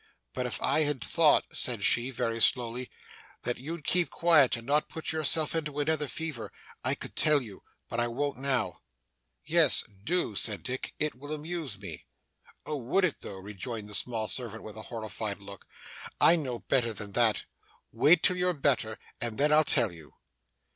'But, if I thought,' said she, very slowly, 'that you'd keep quiet, and not put yourself into another fever, I could tell you but I won't now.' 'Yes, do,' said Dick. 'It will amuse me.' 'Oh! would it though!' rejoined the small servant, with a horrified look. 'I know better than that. Wait till you're better and then I'll tell you.